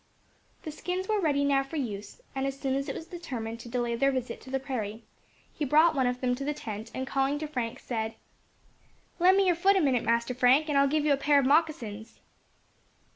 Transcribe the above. The skins were ready now for use; and as soon as it was determined to delay their visit to the prairie, he brought one of them to the tent, and calling to Frank, said, "Lend me your foot a minute, Master Frank, and I will give you a pair of moccasins."